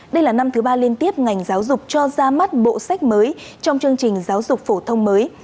đây là năm thứ ba liên tiếp ngành giáo dục cho ra mắt bộ sách mới trong chương trình giáo dục phổ thông mới